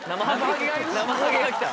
ナマハゲが来た。